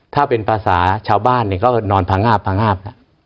ถ้าเป็นภาษาชาวบ้านเนี่ยก็นอนพางาบ